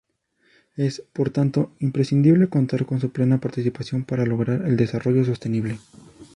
Es, por tanto, imprescindible contar con su plena participación para lograr el desarrollo sostenible.